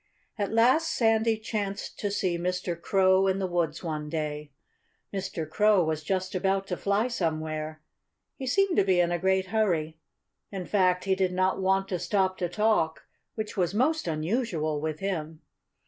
At last Sandy chanced to see Mr. Crow in the woods one day. Mr. Crow was just about to fly somewhere. He seemed to be in a great hurry. In fact, he did not want to stop to talk which was most unusual with him.